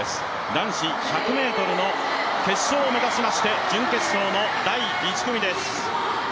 男子１００ｍの決勝を目指しまして準決勝の第１組です。